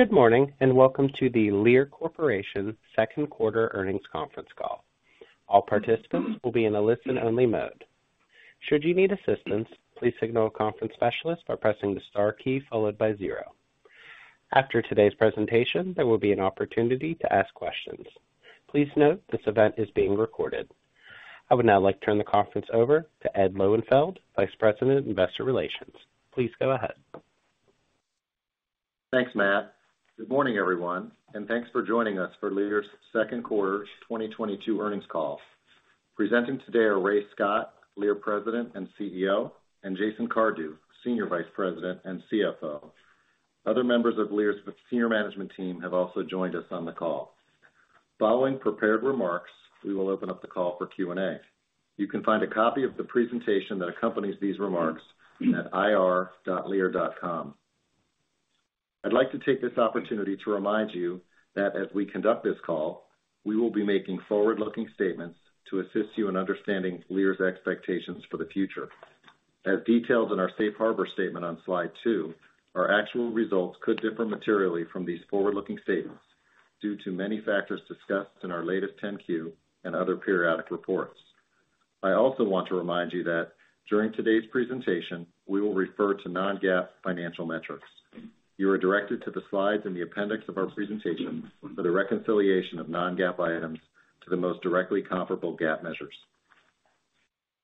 Good morning, and welcome to the Lear Corporation second quarter earnings conference call. All participants will be in a listen-only mode. Should you need assistance, please signal a conference specialist by pressing the star key followed by zero. After today's presentation, there will be an opportunity to ask questions. Please note this event is being recorded. I would now like to turn the conference over to Ed Lowenfeld, Vice President of Investor Relations. Please go ahead. Thanks, Matt. Good morning, everyone, and thanks for joining us for Lear's second quarter 2022 earnings call. Presenting today are Ray Scott, Lear President and CEO, and Jason Cardew, Senior Vice President and CFO. Other members of Lear's senior management team have also joined us on the call. Following prepared remarks, we will open up the call for Q&A. You can find a copy of the presentation that accompanies these remarks at ir.lear.com. I'd like to take this opportunity to remind you that as we conduct this call, we will be making forward-looking statements to assist you in understanding Lear's expectations for the future. As detailed in our safe harbor statement on slide two, our actual results could differ materially from these forward-looking statements due to many factors discussed in our latest Form 10-Q and other periodic reports. I also want to remind you that during today's presentation, we will refer to non-GAAP financial metrics. You are directed to the slides in the appendix of our presentation for the reconciliation of non-GAAP items to the most directly comparable GAAP measures.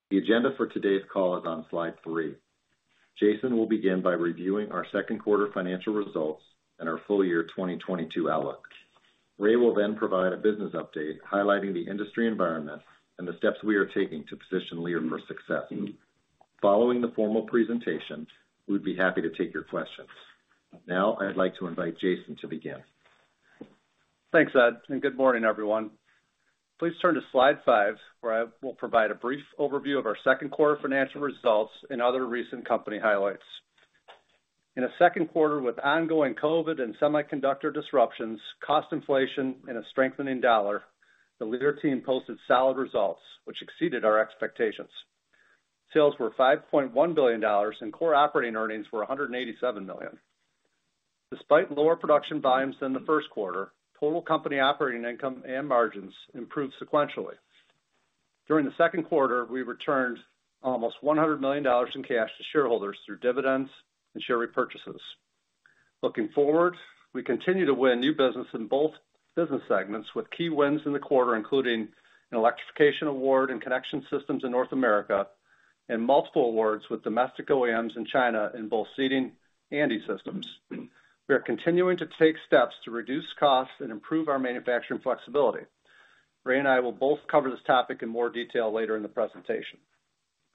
The agenda for today's call is on slide three. Jason will begin by reviewing our second quarter financial results and our full year 2022 outlook. Ray will then provide a business update highlighting the industry environment and the steps we are taking to position Lear for success. Following the formal presentation, we'd be happy to take your questions. Now I'd like to invite Jason to begin. Thanks, Ed, and good morning, everyone. Please turn to slide five, where I will provide a brief overview of our second quarter financial results and other recent company highlights. In a second quarter with ongoing COVID and semiconductor disruptions, cost inflation and a strengthening dollar, the Lear team posted solid results which exceeded our expectations. Sales were $5.1 billion, and core operating earnings were $187 million. Despite lower production volumes than the first quarter, total company operating income and margins improved sequentially. During the second quarter, we returned almost $100 million in cash to shareholders through dividends and share repurchases. Looking forward, we continue to win new business in both business segments with key wins in the quarter, including an electrification award and Connection Systems in North America and multiple awards with domestic OEMs in China in both Seating and E-Systems. We are continuing to take steps to reduce costs and improve our manufacturing flexibility. Ray and I will both cover this topic in more detail later in the presentation.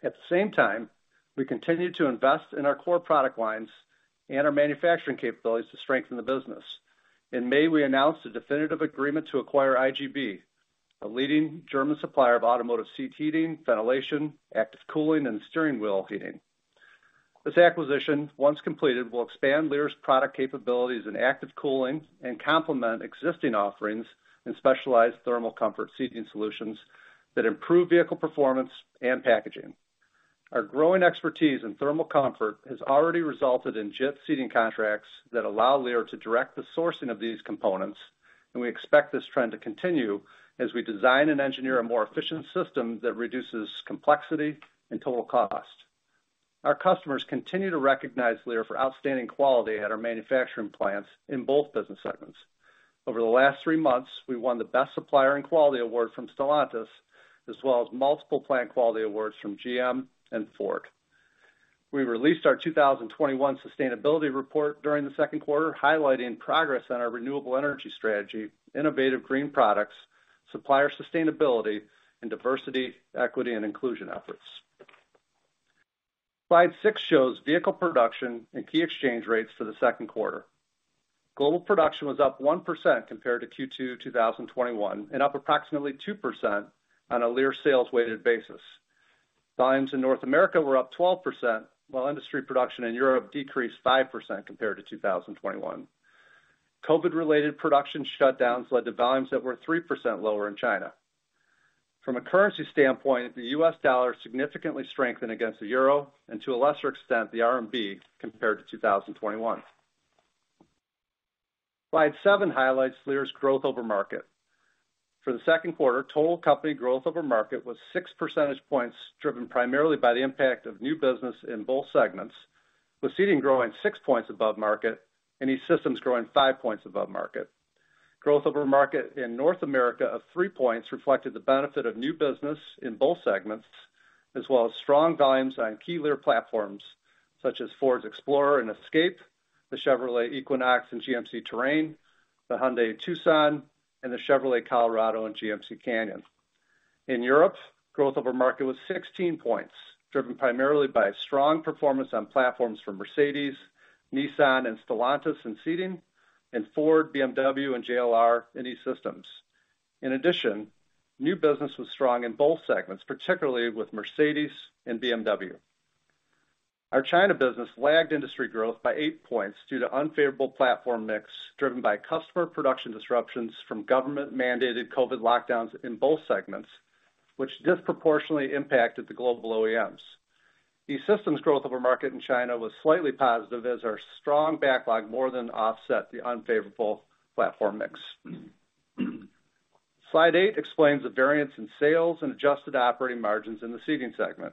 At the same time, we continue to invest in our core product lines and our manufacturing capabilities to strengthen the business. In May, we announced a definitive agreement to acquire IGB, a leading German supplier of automotive seat heating, ventilation, active cooling, and steering wheel heating. This acquisition, once completed, will expand Lear's product capabilities in active cooling and complement existing offerings in specialized thermal comfort seating solutions that improve vehicle performance and packaging. Our growing expertise in thermal comfort has already resulted in JIT seating contracts that allow Lear to direct the sourcing of these components, and we expect this trend to continue as we design and engineer a more efficient system that reduces complexity and total cost. Our customers continue to recognize Lear for outstanding quality at our manufacturing plants in both business segments. Over the last three months, we won the Best Supplier in Quality award from Stellantis, as well as multiple plant quality awards from GM and Ford. We released our 2021 sustainability report during the second quarter, highlighting progress on our renewable energy strategy, innovative green products, supplier sustainability, and diversity, equity, and inclusion efforts. Slide six shows vehicle production and key exchange rates for the second quarter. Global production was up 1% compared to Q2 2021, and up approximately 2% on a Lear sales-weighted basis. Volumes in North America were up 12%, while industry production in Europe decreased 5% compared to 2021. COVID-related production shutdowns led to volumes that were 3% lower in China. From a currency standpoint, the U.S. dollar significantly strengthened against the euro and, to a lesser extent, the RMB compared to 2021. Slide seven highlights Lear's growth over market. For the second quarter, total company growth over market was 6 percentage points, driven primarily by the impact of new business in both segments, with Seating growing 6 percentage points above market and E-Systems growing 5 percentage points above market. Growth over market in North America of 3 percentage points reflected the benefit of new business in both segments, as well as strong volumes on key Lear platforms such as Ford's Explorer and Escape, the Chevrolet Equinox and GMC Terrain, the Hyundai Tucson, and the Chevrolet Colorado and GMC Canyon. In Europe, growth over market was 16 points, driven primarily by strong performance on platforms from Mercedes, Nissan, and Stellantis in Seating and Ford, BMW, and JLR in E-Systems. In addition, new business was strong in both segments, particularly with Mercedes and BMW. Our China business lagged industry growth by 8 percentage points due to unfavorable platform mix driven by customer production disruptions from government-mandated COVID lockdowns in both segments, which disproportionately impacted the global OEMs. The E-Systems growth over market in China was slightly positive as our strong backlog more than offset the unfavorable platform mix. Slide 8 explains the variance in sales and adjusted operating margins in the seating segment.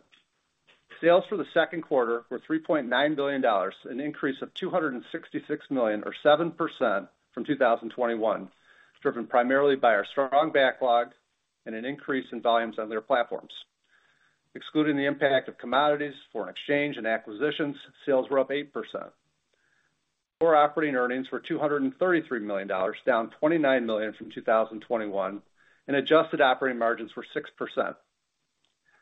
Sales for the second quarter were $3.9 billion, an increase of $266 million or 7% from 2021, driven primarily by our strong backlog and an increase in volumes on their platforms. Excluding the impact of commodities, foreign exchange and acquisitions, sales were up 8%. Core operating earnings were $233 million, down $29 million from 2021, and adjusted operating margins were 6%.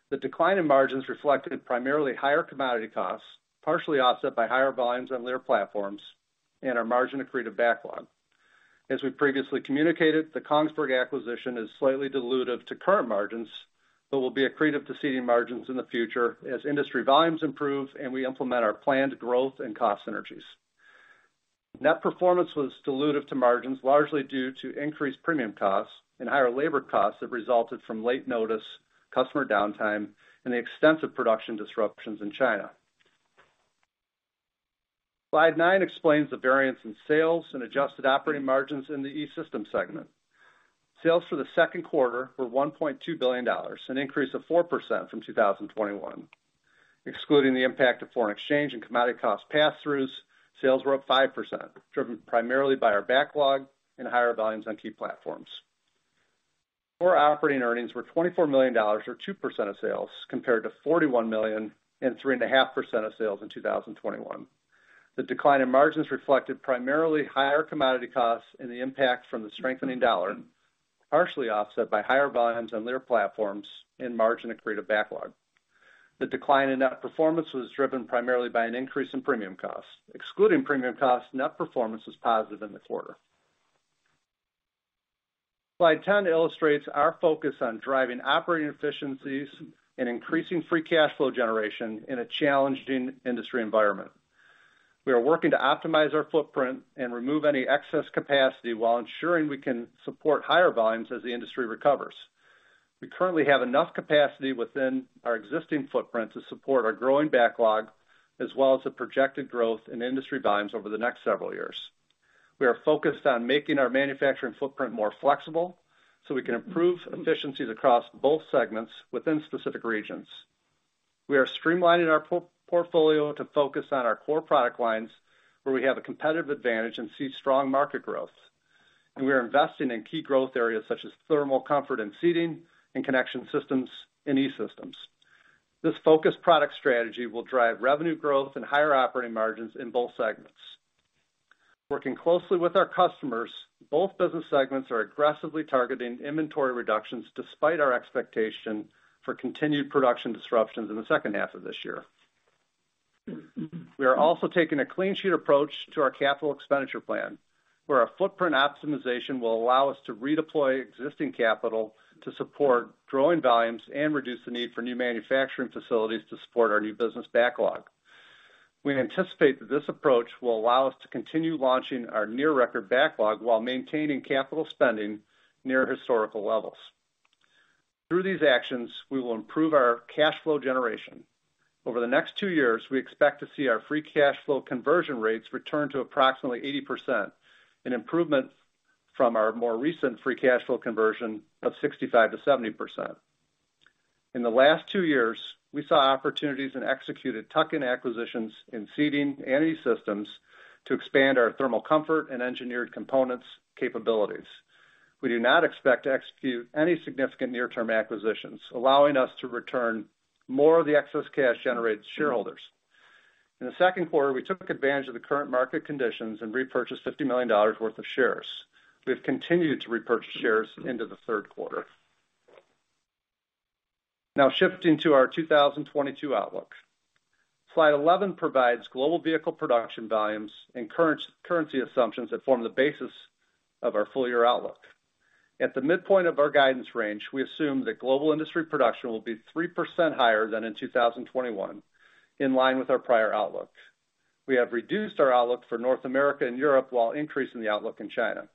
The decline in margins reflected primarily higher commodity costs, partially offset by higher volumes on Lear platforms and our margin accretive backlog. As we previously communicated, the Kongsberg acquisition is slightly dilutive to current margins, but will be accretive to seating margins in the future as industry volumes improve and we implement our planned growth and cost synergies. Net performance was dilutive to margins, largely due to increased premium costs and higher labor costs that resulted from late notice, customer downtime and the extensive production disruptions in China. Slide nine explains the variance in sales and adjusted operating margins in the E-Systems segment. Sales for the second quarter were $1.2 billion, an increase of 4% from 2021. Excluding the impact of foreign exchange and commodity cost pass-throughs, sales were up 5%, driven primarily by our backlog and higher volumes on key platforms. Core operating earnings were $24 million or 2% of sales, compared to $41 million and 3.5% of sales in 2021. The decline in margins reflected primarily higher commodity costs and the impact from the strengthening U.S. dollar, partially offset by higher volumes on Lear platforms and margin accretive backlog. The decline in net performance was driven primarily by an increase in premium costs. Excluding premium costs, net performance was positive in the quarter. Slide 10 illustrates our focus on driving operating efficiencies and increasing free cash flow generation in a challenging industry environment. We are working to optimize our footprint and remove any excess capacity while ensuring we can support higher volumes as the industry recovers. We currently have enough capacity within our existing footprint to support our growing backlog as well as the projected growth in industry volumes over the next several years. We are focused on making our manufacturing footprint more flexible so we can improve efficiencies across both segments within specific regions. We are streamlining our portfolio to focus on our core product lines where we have a competitive advantage and see strong market growth. We are investing in key growth areas such as thermal comfort and Seating and Connection Systems in E-Systems. This focused product strategy will drive revenue growth and higher operating margins in both segments. Working closely with our customers, both business segments are aggressively targeting inventory reductions despite our expectation for continued production disruptions in the second half of this year. We are also taking a clean sheet approach to our capital expenditure plan, where our footprint optimization will allow us to redeploy existing capital to support growing volumes and reduce the need for new manufacturing facilities to support our new business backlog. We anticipate that this approach will allow us to continue launching our near record backlog while maintaining capital spending near historical levels. Through these actions, we will improve our cash flow generation. Over the next two years, we expect to see our free cash flow conversion rates return to approximately 80%, an improvement from our more recent free cash flow conversion of 65%-70%. In the last two years, we saw opportunities and executed tuck-in acquisitions in Seating and E-Systems to expand our thermal comfort and engineered components capabilities. We do not expect to execute any significant near-term acquisitions, allowing us to return more of the excess cash generated to shareholders. In the second quarter, we took advantage of the current market conditions and repurchased $50 million worth of shares. We've continued to repurchase shares into the third quarter. Now shifting to our 2022 outlook. Slide 11 provides global vehicle production volumes and currency assumptions that form the basis of our full-year outlook. At the midpoint of our guidance range, we assume that global industry production will be 3% higher than in 2021, in line with our prior outlook. We have reduced our outlook for North America and Europe while increasing the outlook in China.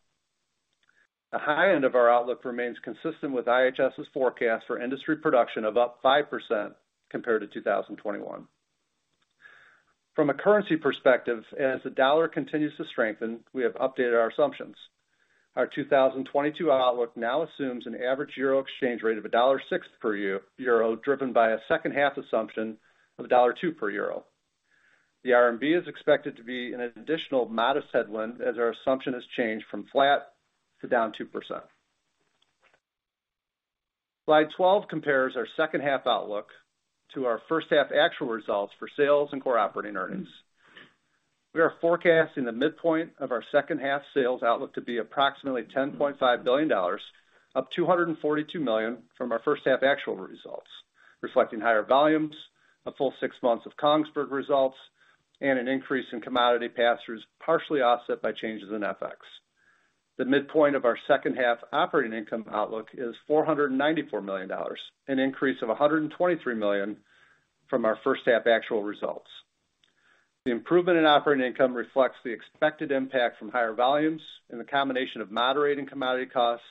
The high end of our outlook remains consistent with IHS's forecast for industry production of up 5% compared to 2021. From a currency perspective, as the dollar continues to strengthen, we have updated our assumptions. Our 2022 outlook now assumes an average euro exchange rate of $1.06 per euro, driven by a second half assumption of $1.02 per euro. The RMB is expected to be an additional modest headwind as our assumption has changed from flat to down 2%. Slide 12 compares our second half outlook to our first half actual results for sales and core operating earnings. We are forecasting the midpoint of our second half sales outlook to be approximately $10.5 billion, up $242 million from our first half actual results, reflecting higher volumes, a full six months of Kongsberg results, and an increase in commodity pass-throughs, partially offset by changes in FX. The midpoint of our second half operating income outlook is $494 million, an increase of $123 million from our first half actual results. The improvement in operating income reflects the expected impact from higher volumes and the combination of moderating commodity costs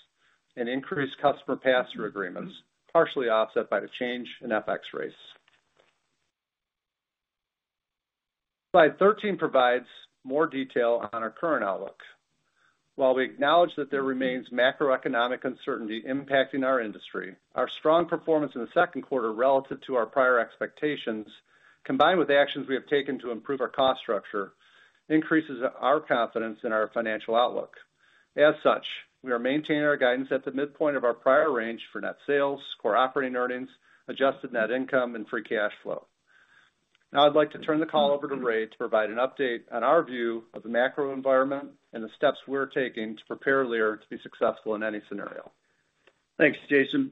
and increased customer pass-through agreements, partially offset by the change in FX rates. Slide 13 provides more detail on our current outlook. While we acknowledge that there remains macroeconomic uncertainty impacting our industry, our strong performance in the second quarter relative to our prior expectations, combined with actions we have taken to improve our cost structure, increases our confidence in our financial outlook. As such, we are maintaining our guidance at the midpoint of our prior range for net sales, core operating earnings, adjusted net income and free cash flow. Now I'd like to turn the call over to Ray to provide an update on our view of the macro environment and the steps we're taking to prepare Lear to be successful in any scenario. Thanks, Jason.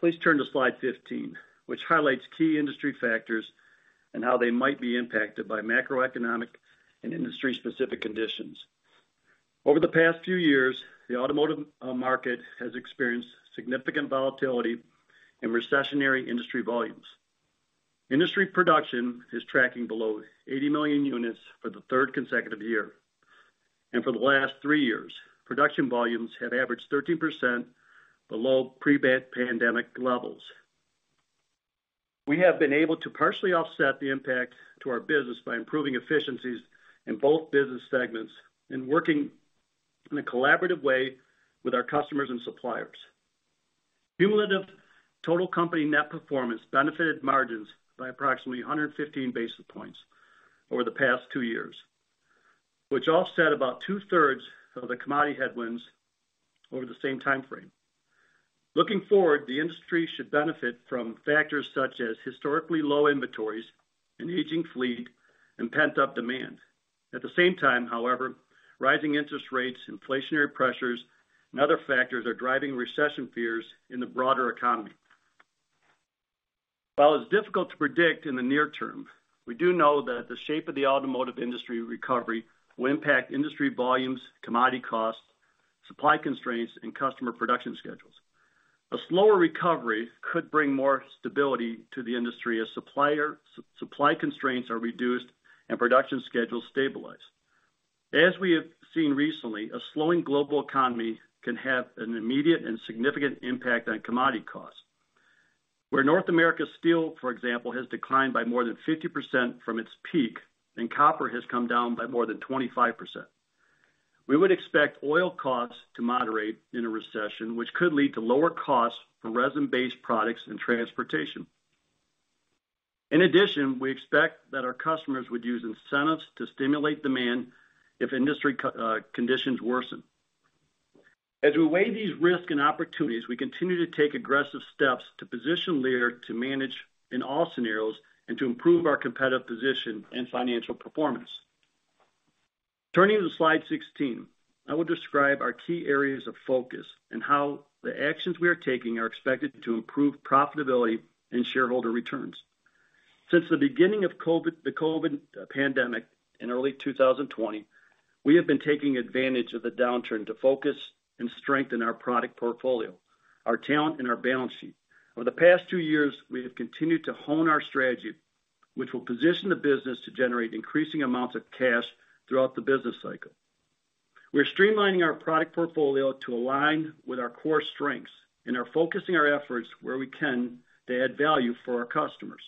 Please turn to slide 15, which highlights key industry factors and how they might be impacted by macroeconomic and industry-specific conditions. Over the past few years, the automotive market has experienced significant volatility and recessionary industry volumes. Industry production is tracking below 80 million units for the third consecutive year, and for the last three years, production volumes have averaged 13% below pre-pandemic levels. We have been able to partially offset the impact to our business by improving efficiencies in both business segments and working in a collaborative way with our customers and suppliers. Cumulative total company net performance benefited margins by approximately 115 basis points over the past two years, which offset about two-thirds of the commodity headwinds over the same time frame. Looking forward, the industry should benefit from factors such as historically low inventories, an aging fleet, and pent-up demand. At the same time, however, rising interest rates, inflationary pressures, and other factors are driving recession fears in the broader economy. While it's difficult to predict in the near term, we do know that the shape of the automotive industry recovery will impact industry volumes, commodity costs, supply constraints, and customer production schedules. A slower recovery could bring more stability to the industry as supply constraints are reduced and production schedules stabilize. As we have seen recently, a slowing global economy can have an immediate and significant impact on commodity costs. Whereas North American steel, for example, has declined by more than 50% from its peak, and copper has come down by more than 25%. We would expect oil costs to moderate in a recession, which could lead to lower costs for resin-based products and transportation. In addition, we expect that our customers would use incentives to stimulate demand if industry conditions worsen. As we weigh these risks and opportunities, we continue to take aggressive steps to position Lear to manage in all scenarios and to improve our competitive position and financial performance. Turning to slide 16, I will describe our key areas of focus and how the actions we are taking are expected to improve profitability and shareholder returns. Since the beginning of the COVID pandemic in early 2020, we have been taking advantage of the downturn to focus and strengthen our product portfolio, our talent and our balance sheet. Over the past two years, we have continued to hone our strategy, which will position the business to generate increasing amounts of cash throughout the business cycle. We're streamlining our product portfolio to align with our core strengths and are focusing our efforts where we can to add value for our customers.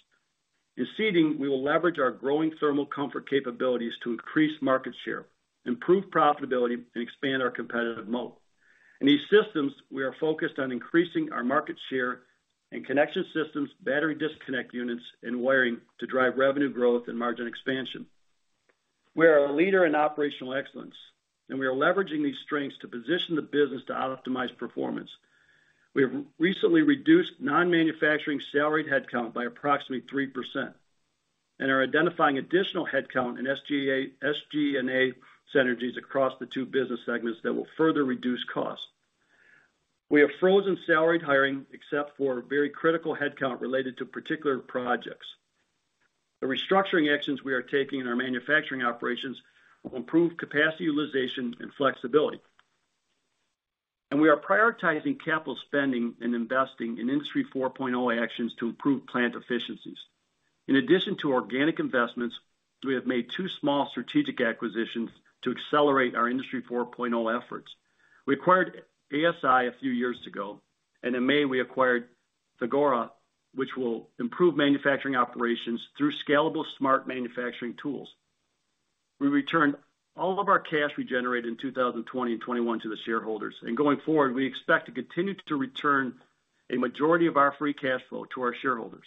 In Seating, we will leverage our growing thermal comfort capabilities to increase market share, improve profitability, and expand our competitive moat. In E-Systems, we are focused on increasing our market share in Connection Systems, battery disconnect units, and wiring to drive revenue growth and margin expansion. We are a leader in operational excellence, and we are leveraging these strengths to position the business to optimize performance. We have recently reduced non-manufacturing salaried headcount by approximately 3% and are identifying additional headcount in SG&A synergies across the two business segments that will further reduce costs. We have frozen salaried hiring except for very critical headcount related to particular projects. The restructuring actions we are taking in our manufacturing operations will improve capacity utilization and flexibility. We are prioritizing capital spending and investing in Industry 4.0 actions to improve plant efficiencies. In addition to organic investments, we have made two small strategic acquisitions to accelerate our Industry 4.0 efforts. We acquired ASI a few years ago, and in May, we acquired Thagora, which will improve manufacturing operations through scalable, smart manufacturing tools. We returned all of our cash we generated in 2020 and 2021 to the shareholders. Going forward, we expect to continue to return a majority of our free cash flow to our shareholders.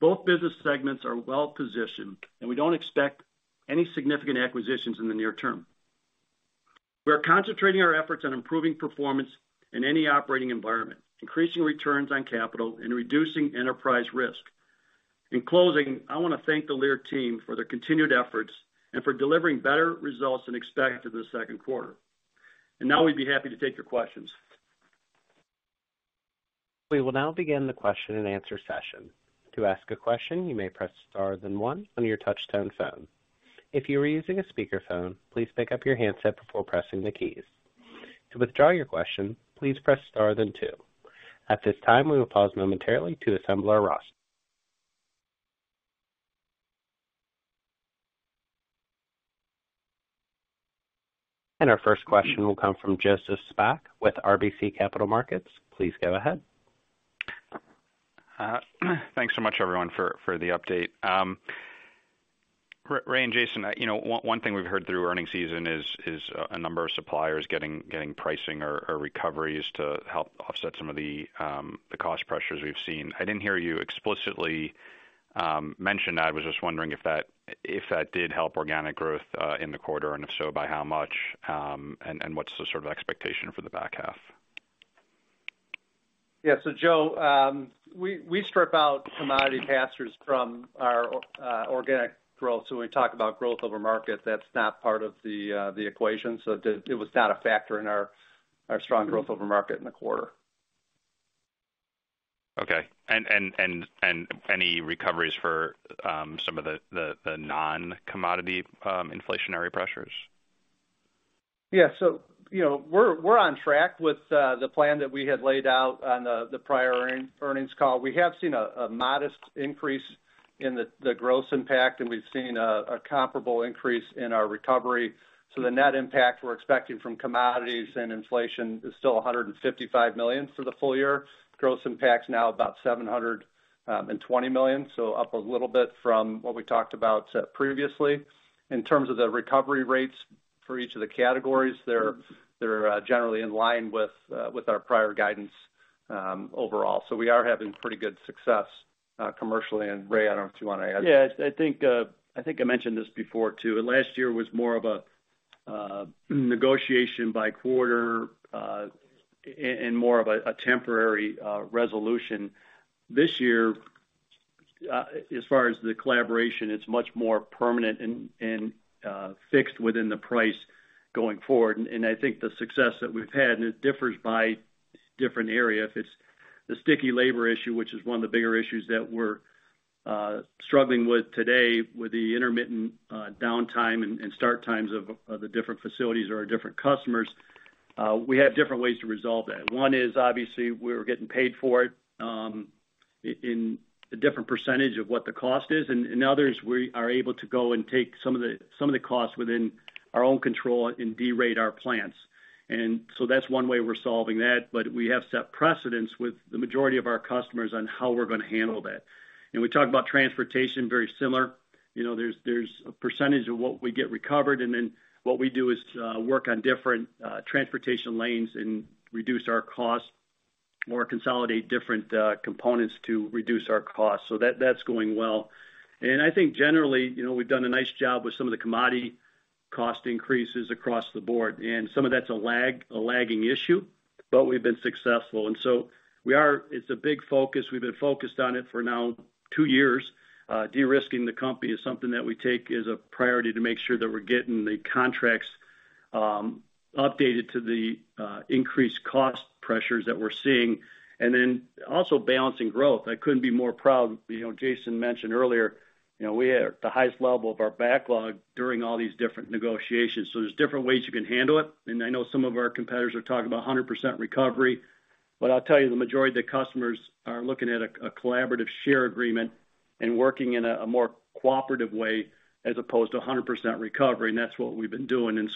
Both business segments are well-positioned, and we don't expect any significant acquisitions in the near term. We are concentrating our efforts on improving performance in any operating environment, increasing returns on capital and reducing enterprise risk. In closing, I wanna thank the Lear team for their continued efforts and for delivering better results than expected this second quarter. Now we'd be happy to take your questions. We will now begin the question-and-answer session. To ask a question, you may press star then one on your touch-tone phone. If you are using a speakerphone, please pick up your handset before pressing the keys. To withdraw your question, please press star then two. At this time, we will pause momentarily to assemble our roster. Our first question will come from Joseph Spak with RBC Capital Markets. Please go ahead. Thanks so much everyone for the update. Ray and Jason, you know, one thing we've heard through earnings season is a number of suppliers getting pricing or recoveries to help offset some of the cost pressures we've seen. I didn't hear you explicitly mention that. I was just wondering if that did help organic growth in the quarter, and if so, by how much, and what's the sort of expectation for the back half? Yeah. Joe, we strip out commodity pass-throughs from our organic growth. When we talk about growth over market, that's not part of the equation. It was not a factor in our strong growth over market in the quarter. Okay. Any recoveries for some of the non-commodity inflationary pressures? Yeah. So, you know, we're on track with the plan that we had laid out on the prior earnings call. We have seen a modest increase in the gross impact, and we've seen a comparable increase in our recovery. The net impact we're expecting from commodities and inflation is still $155 million for the full year. Gross impact's now about $720 million, so up a little bit from what we talked about previously. In terms of the recovery rates for each of the categories, they're generally in line with our prior guidance overall. We are having pretty good success commercially. Ray, I don't know if you wanna add. Yeah. I think I mentioned this before too. Last year was more of a negotiation by quarter and more of a temporary resolution. This year, as far as the collaboration, it's much more permanent and fixed within the price going forward. I think the success that we've had, and it differs by different area. If it's the sticky labor issue, which is one of the bigger issues that we're struggling with today with the intermittent downtime and start times of the different facilities or our different customers, we have different ways to resolve that. One is obviously we're getting paid for it in a different percentage of what the cost is. Others, we are able to go and take some of the costs within our own control and derate our plants. That's one way we're solving that, but we have set precedents with the majority of our customers on how we're gonna handle that. We talked about transportation very similar. You know, there's a percentage of what we get recovered, and then what we do is work on different transportation lanes and reduce our costs or consolidate different components to reduce our costs. That's going well. I think generally, you know, we've done a nice job with some of the commodity cost increases across the board. Some of that's a lagging issue, but we've been successful. We are. It's a big focus. We've been focused on it for now two years. De-risking the company is something that we take as a priority to make sure that we're getting the contracts updated to the increased cost pressures that we're seeing. Also balancing growth. I couldn't be more proud. You know, Jason mentioned earlier, you know, we had the highest level of our backlog during all these different negotiations. There's different ways you can handle it, and I know some of our competitors are talking about 100% recovery. I'll tell you, the majority of the customers are looking at a collaborative share agreement and working in a more cooperative way as opposed to 100% recovery. That's what we've been doing.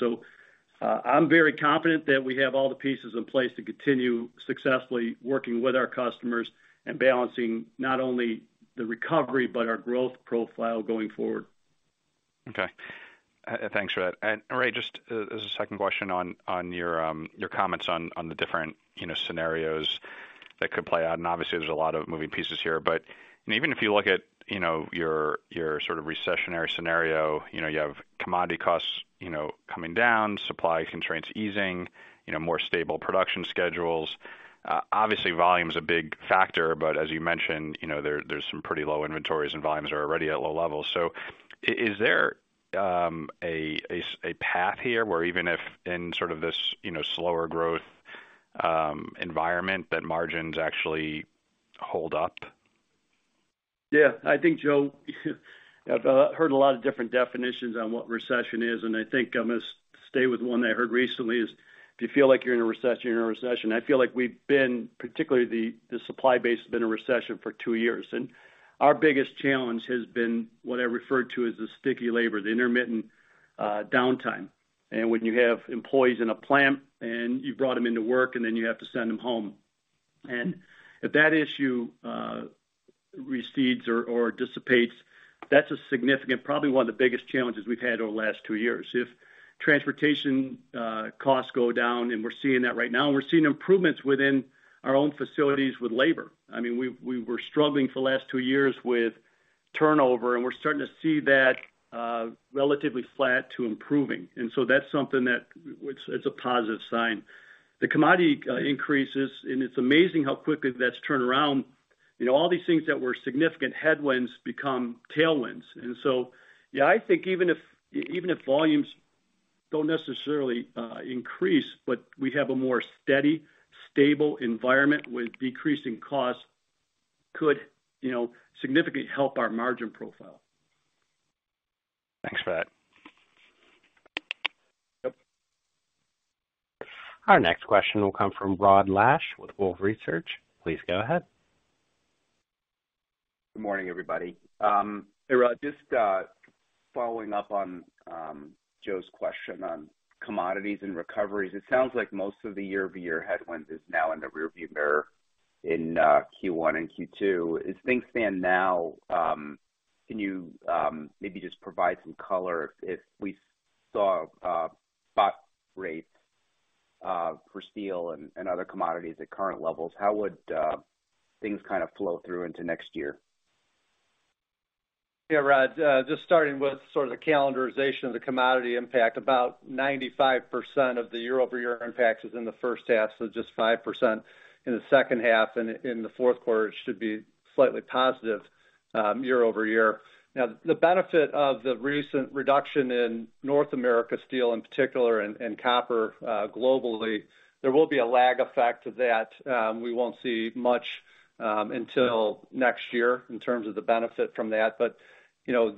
I'm very confident that we have all the pieces in place to continue successfully working with our customers and balancing not only the recovery but our growth profile going forward. Okay. Thanks for that. Ray, just as a second question on your comments on the different, you know, scenarios that could play out, and obviously there's a lot of moving pieces here. Even if you look at, you know, your sort of recessionary scenario, you know, you have commodity costs, you know, coming down, supply constraints easing, you know, more stable production schedules. Obviously volume is a big factor, but as you mentioned, you know, there's some pretty low inventories and volumes are already at low levels. Is there a path here where even if in sort of this, you know, slower growth, environment, that margins actually hold up? Yeah. I think, Joe, I've heard a lot of different definitions on what recession is, and I think I'm gonna stay with one I heard recently is, if you feel like you're in a recession, you're in a recession. I feel like we've been, particularly the supply base, has been in a recession for two years. Our biggest challenge has been what I referred to as the sticky labor, the intermittent downtime. When you have employees in a plant and you brought them into work, and then you have to send them home. If that issue recedes or dissipates, that's a significant, probably one of the biggest challenges we've had over the last two years. If transportation costs go down, and we're seeing that right now, and we're seeing improvements within our own facilities with labor. I mean, we were struggling for the last two years with turnover, and we're starting to see that relatively flat to improving. That's something that's a positive sign. The commodity increases, and it's amazing how quickly that's turned around. You know, all these things that were significant headwinds become tailwinds. Yeah, I think even if volumes don't necessarily increase, but we have a more steady, stable environment with decreasing costs could significantly help our margin profile. That. Yep. Our next question will come from Rod Lache with Wolfe Research. Please go ahead. Good morning, everybody. Ray Scott, just following up on Joe's question on commodities and recoveries. It sounds like most of the year-over-year headwinds is now in the rearview mirror in Q1 and Q2. As things stand now, can you maybe just provide some color if we saw spot rates for steel and other commodities at current levels, how would things kind of flow through into next year? Yeah, Rod, just starting with sort of the calendarization of the commodity impact. About 95% of the year-over-year impacts is in the first half, so just 5% in the second half, and in the fourth quarter, it should be slightly positive, year-over-year. Now, the benefit of the recent reduction in North America steel in particular and copper, globally, there will be a lag effect to that. We won't see much, until next year in terms of the benefit from that. You know,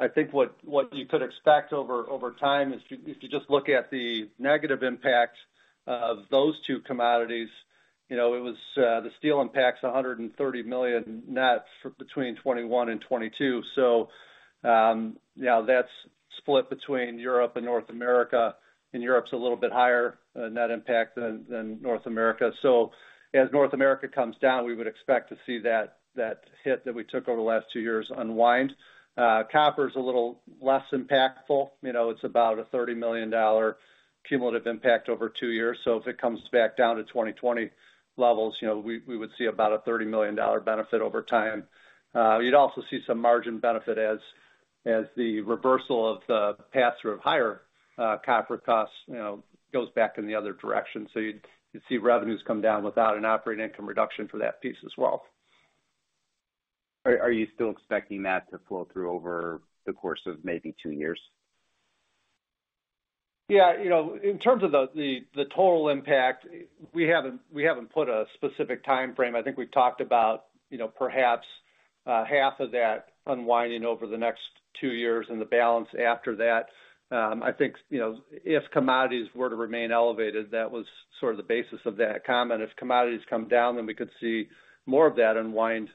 I think what you could expect over time is if you just look at the negative impact of those two commodities, you know, it was, the steel impacts $130 million net for between 2021 and 2022. Now that's split between Europe and North America, and Europe's a little bit higher net impact than North America. As North America comes down, we would expect to see that hit that we took over the last two years unwind. Copper is a little less impactful. You know, it's about a $30 million cumulative impact over two years. If it comes back down to 2020 levels, you know, we would see about a $30 million benefit over time. You'd also see some margin benefit as the reversal of the pass-through of higher copper costs, you know, goes back in the other direction. You'd see revenues come down without an operating income reduction for that piece as well. Are you still expecting that to flow through over the course of maybe two years? Yeah. You know, in terms of the total impact, we haven't put a specific timeframe. I think we've talked about, you know, perhaps half of that unwinding over the next two years and the balance after that. I think, you know, if commodities were to remain elevated, that was sort of the basis of that comment. If commodities come down, then we could see more of that unwind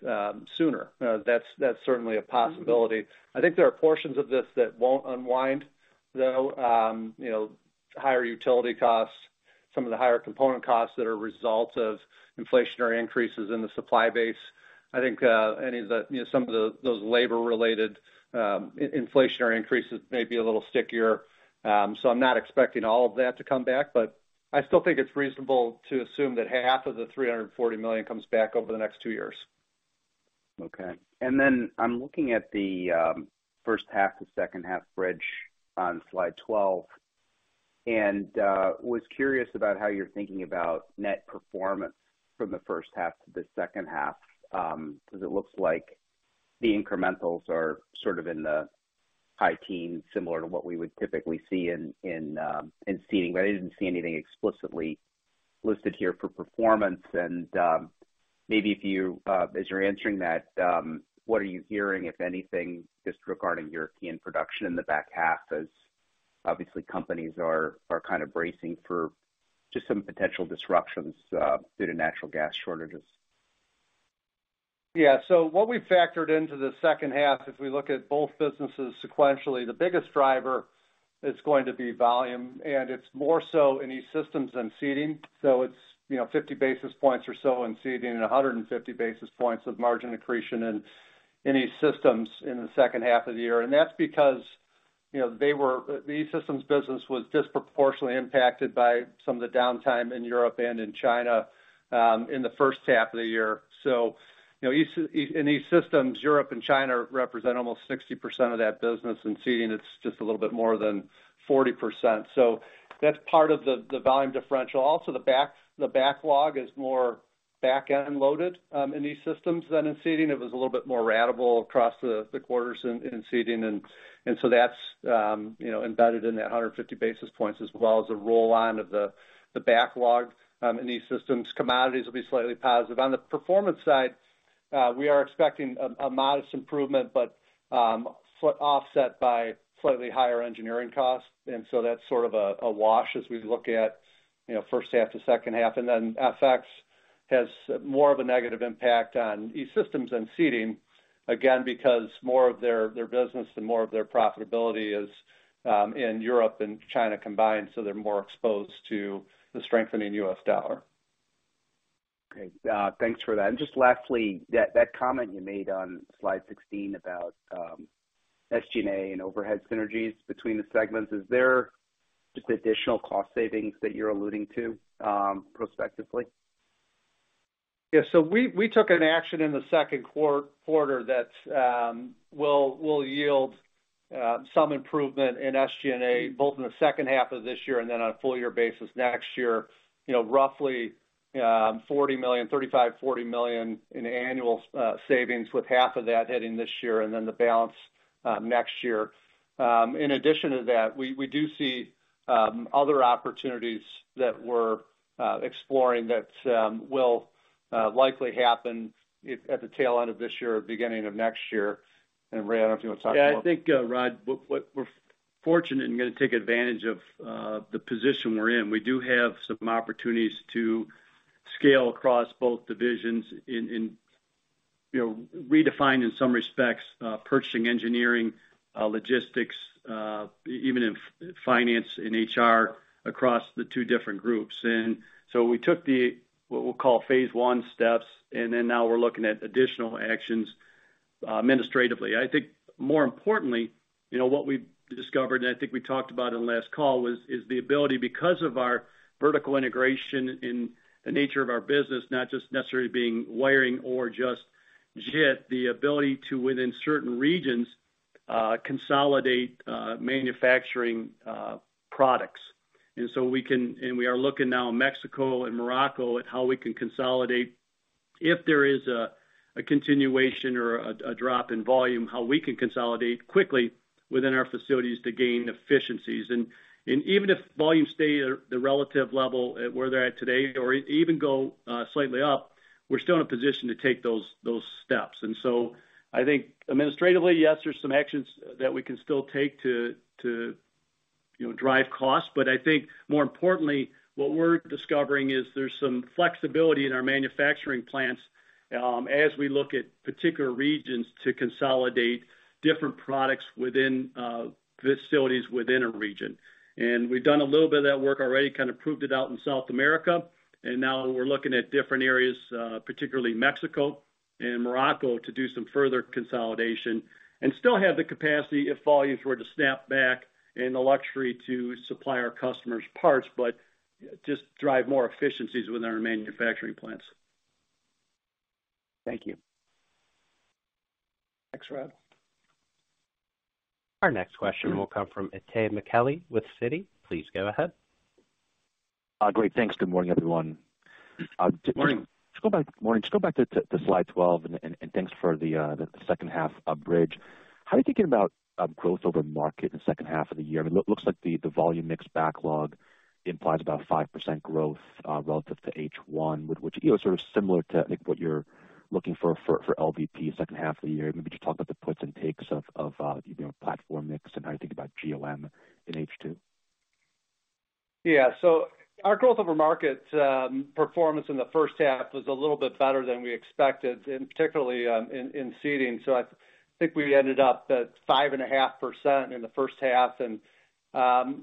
sooner. That's certainly a possibility. I think there are portions of this that won't unwind, though. You know, higher utility costs, some of the higher component costs that are a result of inflationary increases in the supply base. I think any of the, you know, some of those labor-related inflationary increases may be a little stickier. I'm not expecting all of that to come back, but I still think it's reasonable to assume that half of the $340 million comes back over the next two years. Okay. Then I'm looking at the first half to second half bridge on slide 12, and was curious about how you're thinking about net performance from the first half to the second half, 'cause it looks like the incrementals are sort of in the high teens, similar to what we would typically see in seating. I didn't see anything explicitly listed here for performance. Maybe if you, as you're answering that, what are you hearing, if anything, just regarding European production in the back half, as obviously companies are kind of bracing for just some potential disruptions due to natural gas shortages. Yeah. What we factored into the second half as we look at both businesses sequentially, the biggest driver is going to be volume, and it's more so in E-Systems than Seating. It's, you know, 50 basis points or so in Seating and 150 basis points of margin accretion in E-Systems in the second half of the year. That's because, you know, they were the E-Systems business was disproportionately impacted by some of the downtime in Europe and in China in the first half of the year. In E-Systems, Europe and China represent almost 60% of that business. In Seating, it's just a little bit more than 40%. That's part of the volume differential. Also, the backlog is more back-end loaded in E-Systems than in Seating. It was a little bit more ratable across the quarters in Seating. That's you know embedded in that 150 basis points as well as the roll-on of the backlog in E-Systems. Commodities will be slightly positive. On the performance side, we are expecting a modest improvement, but offset by slightly higher engineering costs, and so that's sort of a wash as we look at you know first half to second half. Then FX has more of a negative impact on E-Systems than Seating, again, because more of their business and more of their profitability is in Europe and China combined, so they're more exposed to the strengthening U.S. dollar. Great. Thanks for that. Just lastly, that comment you made on slide 16 about SG&A and overhead synergies between the segments. Is there just additional cost savings that you're alluding to, prospectively? We took an action in the second quarter that will yield some improvement in SG&A both in the second half of this year and then on a full year basis next year. You know, roughly $35-$40 million in annual savings, with half of that hitting this year and then the balance next year. In addition to that, we do see other opportunities that we're exploring that will Likely happen if at the tail end of this year or beginning of next year. Ray, I don't know if you want to talk about. Yeah, I think, Rod, what we're fortunate and gonna take advantage of, the position we're in. We do have some opportunities to scale across both divisions in, you know, redefined in some respects, purchasing, engineering, logistics, even in finance and HR across the two different groups. We took the, what we'll call phase I steps, and then now we're looking at additional actions, administratively. I think more importantly, you know, what we've discovered, and I think we talked about in last call, is the ability because of our vertical integration in the nature of our business, not just necessarily being wiring or just JIT, the ability to, within certain regions, consolidate, manufacturing, products. We are looking now in Mexico and Morocco at how we can consolidate if there is a continuation or a drop in volume, how we can consolidate quickly within our facilities to gain efficiencies. Even if volumes stay at a relative level at where they're at today or even go slightly up, we're still in a position to take those steps. I think administratively, yes, there's some actions that we can still take to you know, drive costs. But I think more importantly, what we're discovering is there's some flexibility in our manufacturing plants as we look at particular regions to consolidate different products within facilities within a region. We've done a little bit of that work already, kind of proved it out in South America. Now we're looking at different areas, particularly Mexico and Morocco, to do some further consolidation and still have the capacity if volumes were to snap back and the luxury to supply our customers parts, but just drive more efficiencies within our manufacturing plants. Thank you. Next, Rod. Our next question will come from Itay Michaeli with Citi. Please go ahead. Great. Thanks. Good morning, everyone. Morning. Morning. Just go back to slide 12 and thanks for the second half bridge. How are you thinking about growth over market in the second half of the year? I mean, looks like the volume mix backlog implies about 5% growth relative to H1, with which, you know, sort of similar to I think what you're looking for for LVP second half of the year. Maybe just talk about the puts and takes of you know platform mix and how you think about GOM in H2. Our growth over market performance in the first half was a little bit better than we expected, and particularly in Seating. I think we ended up at 5.5% in the first half.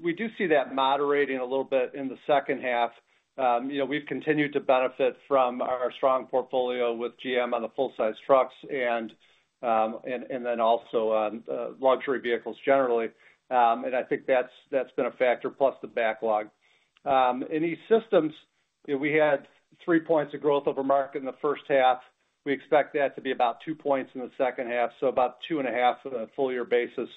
We do see that moderating a little bit in the second half. You know, we've continued to benefit from our strong portfolio with GM on the full-size trucks and then also luxury vehicles generally. I think that's been a factor, plus the backlog. In E-Systems, we had 3 percentage points of growth over market in the first half. We expect that to be about 2 percentage points in the second half, about 2.5 percentage points on a full year basis.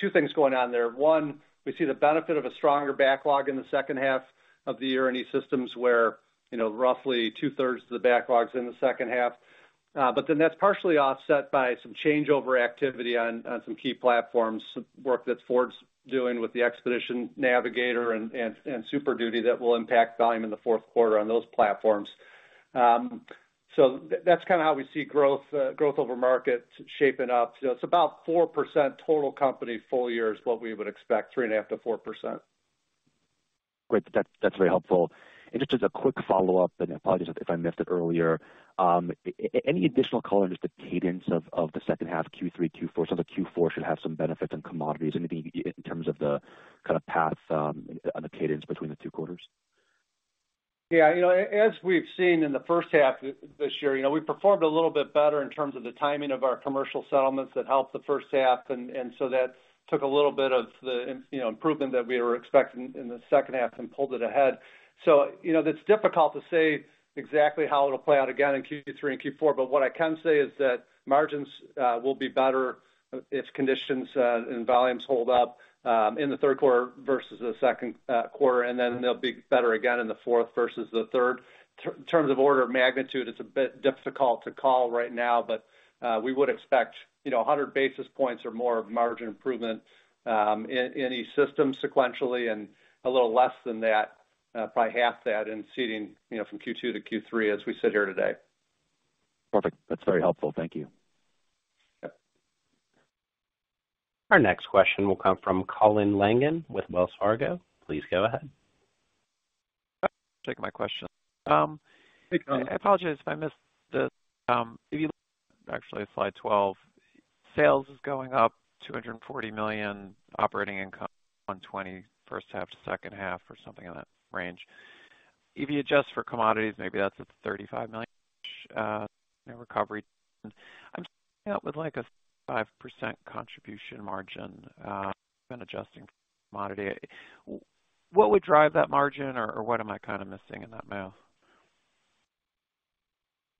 Two things going on there. One, we see the benefit of a stronger backlog in the second half of the year in E-Systems where, you know, roughly 2/3 of the backlog is in the second half. That's partially offset by some changeover activity on some key platforms, work that Ford's doing with the Expedition, Navigator and Super Duty that will impact volume in the fourth quarter on those platforms. That's kind of how we see growth over market shaping up. You know, it's about 4% total company full year is what we would expect, 3.5%-4%. Great. That's very helpful. Just as a quick follow-up, apologies if I missed it earlier, any additional color, just the cadence of the second half Q3, Q4. The Q4 should have some benefit on commodities. Anything in terms of the kind of path, on the cadence between the two quarters? Yeah. You know, as we've seen in the first half this year, you know, we performed a little bit better in terms of the timing of our commercial settlements that helped the first half. So that took a little bit of the, you know, improvement that we were expecting in the second half and pulled it ahead. You know, that's difficult to say exactly how it'll play out again in Q3 and Q4. But what I can say is that margins will be better if conditions and volumes hold up in the third quarter versus the second quarter, and then they'll be better again in the fourth versus the third. In terms of order of magnitude, it's a bit difficult to call right now, but we would expect, you know, 100 basis points or more of margin improvement in E-Systems sequentially and a little less than that, probably half that in Seating, you know, from Q2 to Q3 as we sit here today. Perfect. That's very helpful. Thank you. Yep. Our next question will come from Colin Langan with Wells Fargo. Please go ahead. Take my question. Hey, Colin. I apologize if I missed this. If you actually slide twelve, sales is going up $240 million, operating income 120 first half to second half or something in that range. If you adjust for commodities, maybe that's a $35 million recovery. I'm looking at with like a 5% contribution margin, been adjusting commodity. What would drive that margin or what am I kind of missing in that math?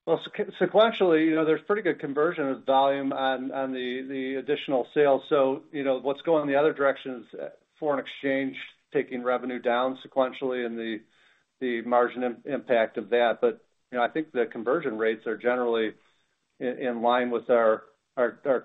Well, sequentially, you know, there's pretty good conversion of volume on the additional sales. You know, what's going the other direction is foreign exchange, taking revenue down sequentially and the margin impact of that. You know, I think the conversion rates are generally in line with our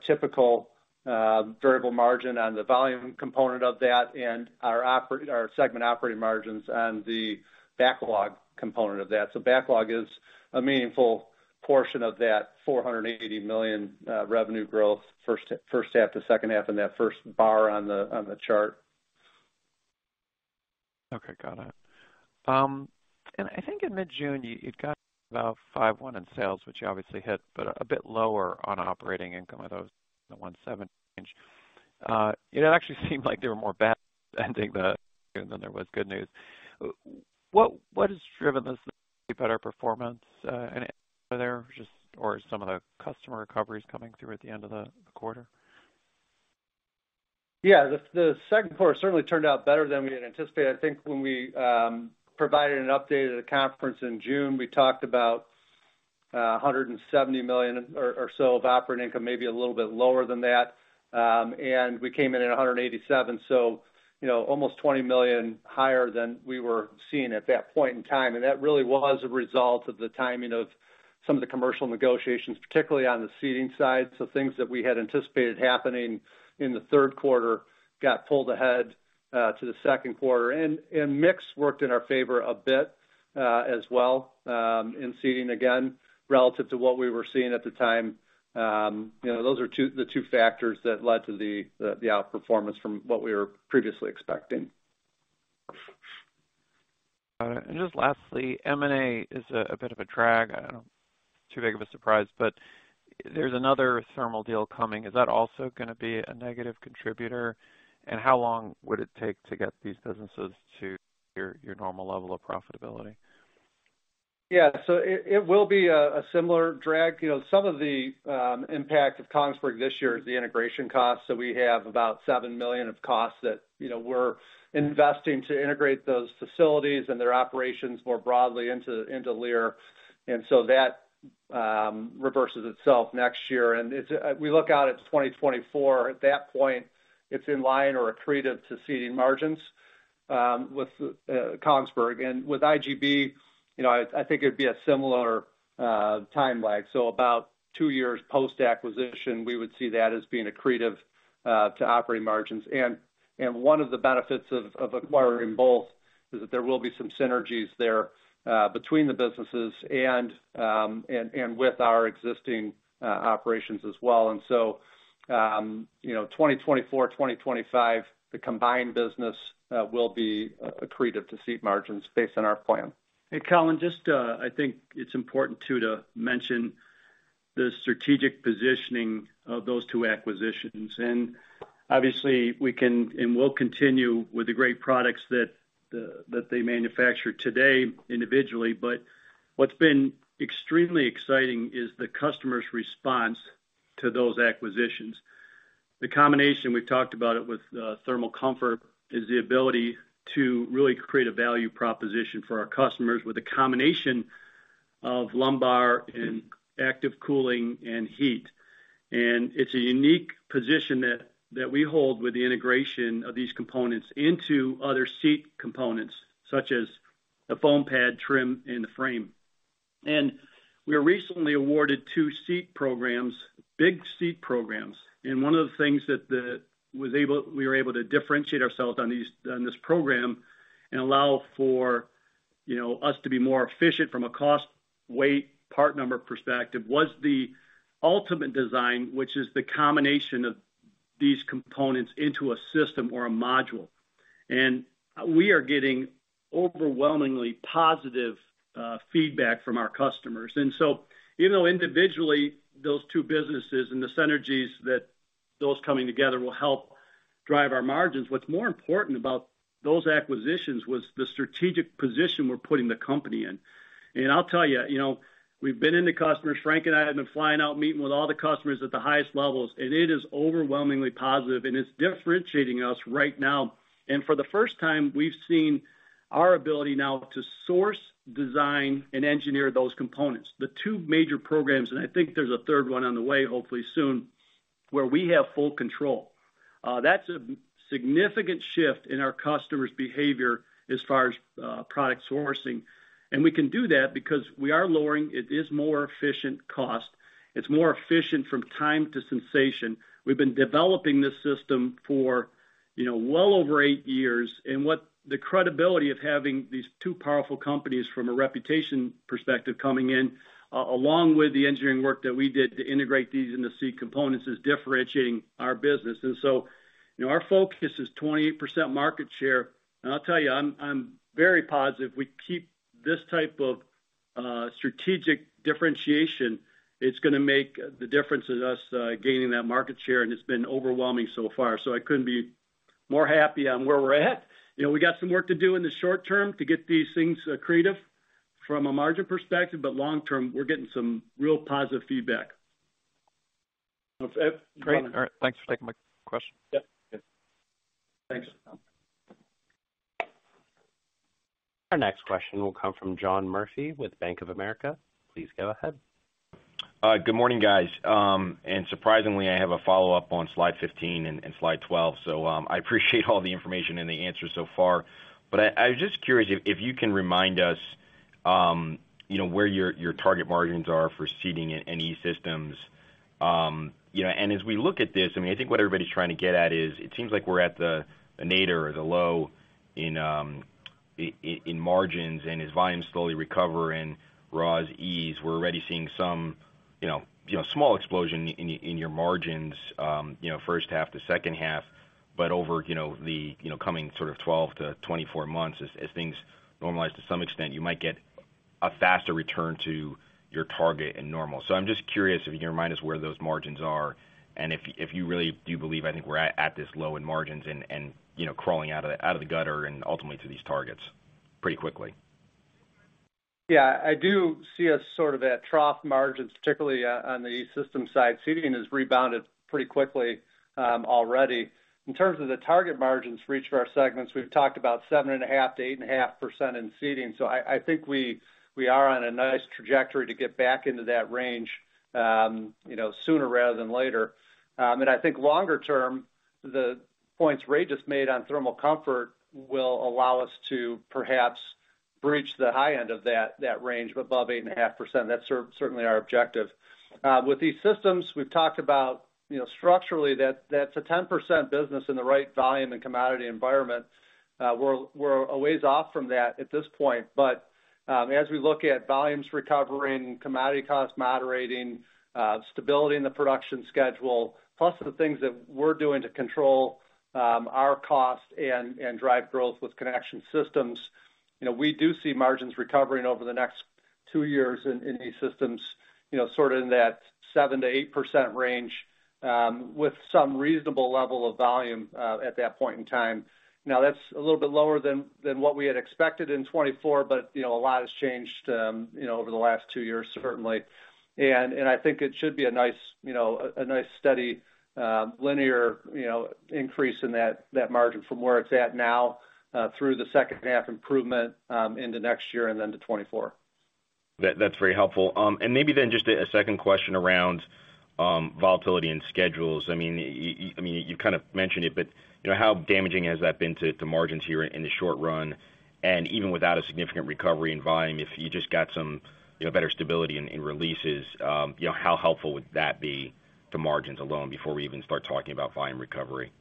typical variable margin on the volume component of that and our segment operating margins and the backlog component of that. Backlog is a meaningful portion of that $480 million revenue growth first half to second half in that first bar on the chart. Okay, got it. I think in mid-June you'd got about $5.1 billion in sales, which you obviously hit, but a bit lower on operating income in the $170 million range. It actually seemed like there were more bad news ending the year than there was good news. What has driven this better performance, and are there just some of the customer recoveries coming through at the end of the quarter? Yeah. The second quarter certainly turned out better than we had anticipated. I think when we provided an update at a conference in June, we talked about $170 million or so of operating income, maybe a little bit lower than that. We came in at $187 million, so you know, almost $20 million higher than we were seeing at that point in time. That really was a result of the timing of some of the commercial negotiations, particularly on the Seating side. Things that we had anticipated happening in the third quarter got pulled ahead to the second quarter. Mix worked in our favor a bit, as well, in Seating again, relative to what we were seeing at the time. You know, those are the two factors that led to the outperformance from what we were previously expecting. All right. Just lastly, M&A is a bit of a drag. I don't know, not too big of a surprise, but there's another thermal deal coming. Is that also gonna be a negative contributor? How long would it take to get these businesses to your normal level of profitability? Yeah. It will be a similar drag. You know, some of the impact of Kongsberg this year is the integration costs. We have about $7 million of costs that, you know, we're investing to integrate those facilities and their operations more broadly into Lear. That reverses itself next year. It's we look out at 2024. At that point, it's in line or accretive to Seating margins with Kongsberg. With IGB, you know, I think it'd be a similar timeline. About two years post-acquisition, we would see that as being accretive to operating margins. One of the benefits of acquiring both is that there will be some synergies there between the businesses and with our existing operations as well. You know, 2024, 2025, the combined business will be accretive to seating margins based on our plan. Hey, Colin, just, I think it's important too, to mention the strategic positioning of those two acquisitions. Obviously we can and will continue with the great products that they manufacture today individually. What's been extremely exciting is the customer's response to those acquisitions. The combination, we've talked about it with thermal comfort, is the ability to really create a value proposition for our customers with a combination of lumbar and active cooling and heat. It's a unique position that we hold with the integration of these components into other seat components, such as the foam pad trim and the frame. We were recently awarded two seat programs, big seat programs. One of the things that we were able to differentiate ourselves on this program and allow for, you know, us to be more efficient from a cost, weight, part number perspective, was the ultimate design, which is the combination of these components into a system or a module. We are getting overwhelmingly positive feedback from our customers. You know, individually, those two businesses and the synergies that those coming together will help drive our margins. What's more important about those acquisitions was the strategic position we're putting the company in. I'll tell you know, we've been with the customers. Frank and I have been flying out, meeting with all the customers at the highest levels, and it is overwhelmingly positive and it's differentiating us right now. For the first time, we've seen our ability now to source, design, and engineer those components. The two major programs, and I think there's a third one on the way, hopefully soon, where we have full control. That's a significant shift in our customer's behavior as far as product sourcing. We can do that because we are lowering, it is more efficient cost. It's more efficient from time to station. We've been developing this system for, you know, well over eight years. The credibility of having these two powerful companies from a reputation perspective coming in, along with the engineering work that we did to integrate these into seat components, is differentiating our business. You know, our focus is 28% market share. I'll tell you, I'm very positive we keep this type of strategic differentiation. It's gonna make the difference in us gaining that market share, and it's been overwhelming so far. I couldn't be more happy on where we're at. You know, we got some work to do in the short term to get these things accretive from a margin perspective, but long term, we're getting some real positive feedback. Great. All right. Thanks for taking my question. Yeah. Thanks. Our next question will come from John Murphy with Bank of America. Please go ahead. Good morning, guys. Surprisingly, I have a follow-up on slide 15 and slide 12. I appreciate all the information and the answers so far. I was just curious if you can remind us, you know, where your target margins are for Seating and E-Systems. You know, as we look at this, I mean, I think what everybody's trying to get at is it seems like we're at the nadir or the low in margins and as volumes slowly recover and raws ease, we're already seeing some small explosion in your margins, you know, first half to second half. Over the coming sort of 12 to 24 months as things normalize to some extent, you might get a faster return to your target and normal. I'm just curious if you can remind us where those margins are and if you really do believe, I think we're at this low in margins and you know, crawling out of the gutter and ultimately to these targets pretty quickly. Yeah. I do see us sort of at trough margins, particularly on the E-Systems side. Seating has rebounded pretty quickly, already. In terms of the target margins for each of our segments, we've talked about 7.5%-8.5% in Seating. I think we are on a nice trajectory to get back into that range, you know, sooner rather than later. I think longer term, the points Ray just made on thermal comfort will allow us to perhaps reach the high end of that range above 8.5%. That's certainly our objective. With E-Systems, we've talked about, you know, structurally that's a 10% business in the right volume and commodity environment. We're a ways off from that at this point, but as we look at volumes recovering, commodity costs moderating, stability in the production schedule, plus the things that we're doing to control our costs and drive growth with Connection Systems, you know, we do see margins recovering over the next two years in E-Systems, you know, sort of in that 7%-8% range, with some reasonable level of volume at that point in time. Now, that's a little bit lower than what we had expected in 2024, but you know, a lot has changed, you know, over the last two years, certainly. I think it should be a nice, you know, steady, linear, you know, increase in that margin from where it's at now, through the second half improvement, into next year and then to 2024. That's very helpful. Maybe then just a second question around volatility and schedules. I mean, you kind of mentioned it, but you know, how damaging has that been to margins here in the short run? Even without a significant recovery in volume, if you just got some you know, better stability in releases, you know, how helpful would that be to margins alone before we even start talking about volume recovery?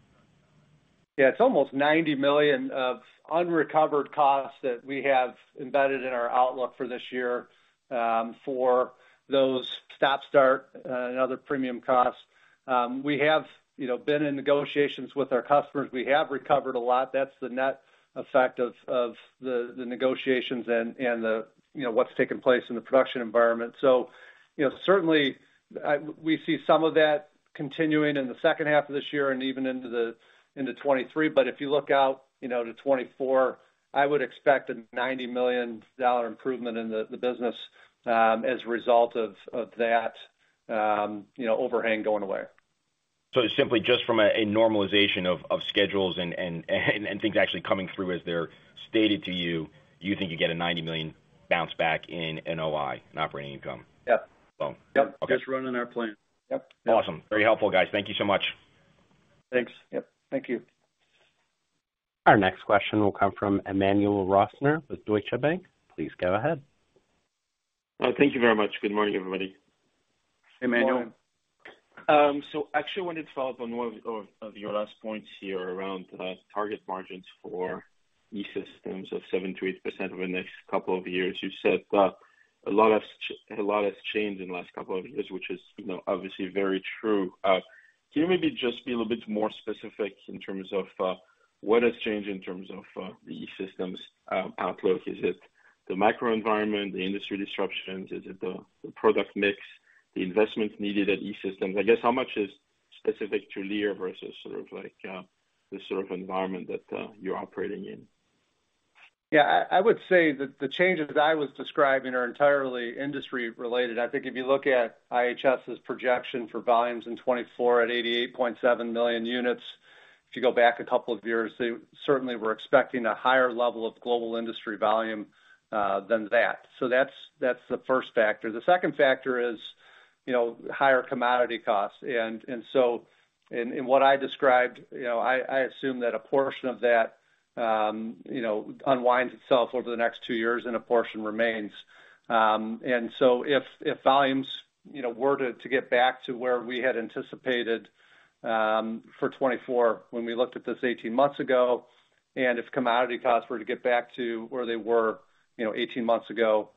Yeah. It's almost $90 million of unrecovered costs that we have embedded in our outlook for this year, for those stop-start, and other premium costs. We have, you know, been in negotiations with our customers. We have recovered a lot. That's the net effect of the negotiations and the, you know, what's taken place in the production environment. You know, certainly, we see some of that continuing in the second half of this year and even into 2023. If you look out, you know, to 2024, I would expect a $90 million improvement in the business, as a result of that, you know, overhang going away. It's simply just from a normalization of schedules and things actually coming through as they're stated to you. Do you think you get a $90 million bounce back in NOI and operating income? Yep. Boom. Yep. Okay. Just running our plan. Yep. Awesome. Very helpful, guys. Thank you so much. Thanks. Yep. Thank you. Our next question will come from Emmanuel Rosner with Deutsche Bank. Please go ahead. Thank you very much. Good morning, everybody. Emmanuel. Actually wanted to follow up on one of your last points here around target margins for E-Systems of 7%-8% over the next couple of years. You said that a lot has changed in the last couple of years, which is, you know, obviously very true. Can you maybe just be a little bit more specific in terms of what has changed in terms of the E-Systems outlook? Is it the macro environment, the industry disruptions? Is it the product mix, the investments needed at E-Systems? I guess how much is specific to Lear versus sort of like the sort of environment that you're operating in? Yeah. I would say that the changes I was describing are entirely industry related. I think if you look at IHS's projection for volumes in 2024 at 88.7 million units, if you go back a couple of years, they certainly were expecting a higher level of global industry volume than that. That's the first factor. The second factor is, you know, higher commodity costs. In what I described, you know, I assume that a portion of that unwinds itself over the next two years and a portion remains. If volumes, you know, were to get back to where we had anticipated for 2024 when we looked at this eighteen months ago, and if commodity costs were to get back to where they were, you know, eighteen months ago,